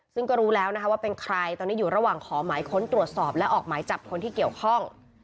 ซึ่งก็รู้แล้วนะคะว่าเป็นใครตอนนี้อยู่ระหว่างขอหมายค้นตรวจสอบและออกหมายจับคนที่เกี่ยวข้อง